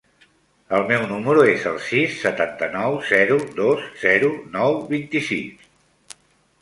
El meu número es el sis, setanta-nou, zero, dos, zero, nou, vint-i-sis.